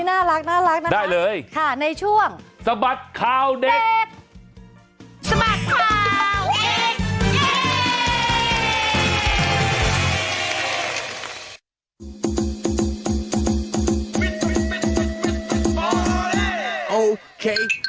น่ารักน่ารักได้เลยค่ะในช่วงสมัครข่าวเด็ก